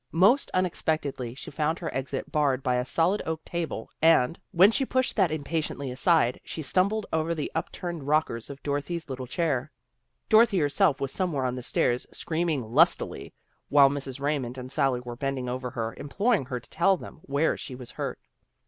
Most unexpectedly she found her exit barred by a solid oak table and, when she pushed that impatiently aside, she stumbled over the up turned rockers of Dorothy's little red chair. Dorothy herself was somewhere on the stairs, screaming lustily, while Mrs. Raymond and Sally were bending over her, imploring her to tell them where she was hurt.